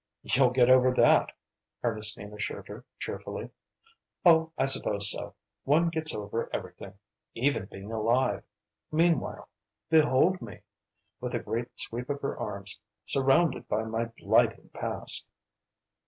"You'll get over that," Ernestine assured her, cheerfully. "Oh, I suppose so. One gets over everything even being alive. Meanwhile, behold me," with a great sweep of her arms "surrounded by my blighting past."